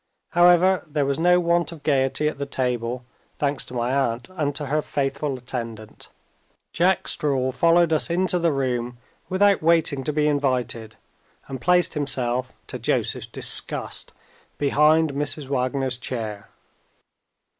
However, there was no want of gaiety at the table thanks to my aunt, and to her faithful attendant. Jack Straw followed us into the room, without waiting to be invited, and placed himself, to Joseph's disgust, behind Mrs. Wagner's chair.